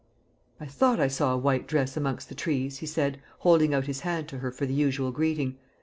"I thought I saw a white dress amongst the trees," he said, holding out his hand to her for the usual greeting.